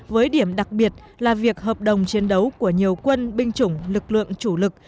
với điểm đặc biệt là việc hợp đồng chiến đấu của nhiều quân binh chủng lực lượng chủ lực